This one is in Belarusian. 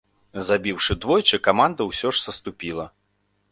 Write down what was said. Забіўшы двойчы, каманда ўсё ж саступіла.